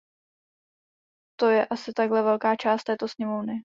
To je asi takhle velká část této sněmovny.